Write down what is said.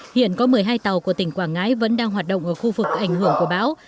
hiện có một mươi hai tàu của tỉnh quảng ngãi vẫn đang hoạt động ở khu vực ảnh hưởng của bão